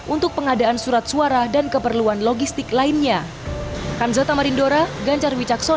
untuk pengadaan surat suara dan keperluan logistik lainnya